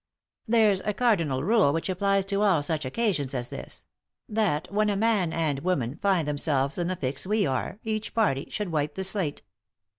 "There's a cardinal rule which applies to all such occasions as this — that when a man and woman find themselves in the fix we are, each party should wipe the slate.